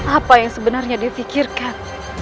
apa yang sebenarnya dia pikirkan